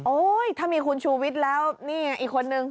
ถ้ามีคุณชูวิทย์แล้วนี่อีกคนนึง